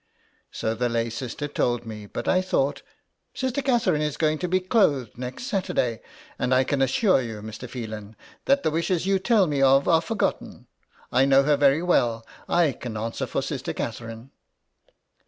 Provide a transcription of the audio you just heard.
" So the lay sister told me ; but I thought "" Sister Catherine is going to be clothed next Saturday, and I can assure you, Mr. Phelan, that the wishes you tell me of are forgotten. I know her very well. I can answer for Sister Catherine."